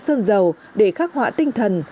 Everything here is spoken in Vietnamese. sơn dầu để khắc hoạ tinh thần